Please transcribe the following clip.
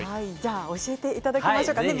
教えていただきましょうかね。